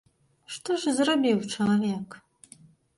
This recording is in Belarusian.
Што ж зрабіў чалавек?